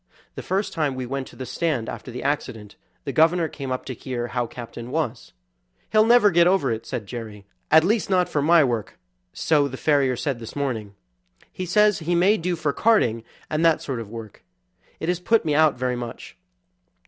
The first time we went to the stand after the accident the governor came up to hear how Captain was. "He'll never get over it," said Jerry, "at least not for my work, so the farrier said this morning. He says he may do for carting, and that sort of work. It has put me out very much.